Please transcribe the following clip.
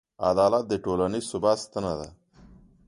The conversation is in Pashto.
عدالت د ټولنیز ثبات ستنه ده.